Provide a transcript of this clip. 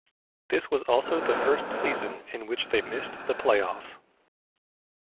This was also the first season in which they missed the playoffs.